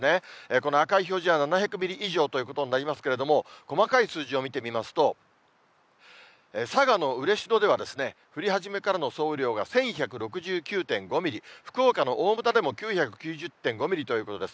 この赤い表示は７００ミリ以上ということになりますけども、細かい数字を見てみますと、佐賀の嬉野では、降り始めからの総雨量が１１６９．５ミリ、福岡の大牟田でも９９０．５ミリということです。